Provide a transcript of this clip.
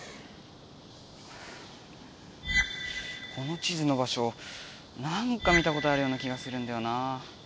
この地図の場しょなんか見たことあるような気がするんだよな。